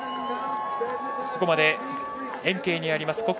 ここまで延慶にあります